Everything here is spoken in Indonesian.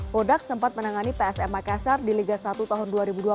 hodak sempat menangani psm makassar di liga satu tahun dua ribu dua puluh